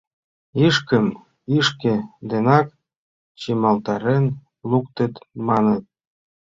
Ишкым ишке денак чымалтарен луктыт, маныт.